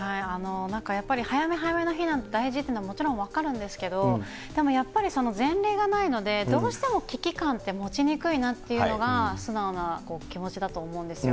やっぱり早め早めの避難って大事というのはもちろん分かるんですけど、でもやっぱり前例がないので、どうしても危機感って持ちにくいなっていうのが、素直な気持ちだと思うんですよ。